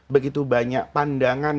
begitu banyak pandangan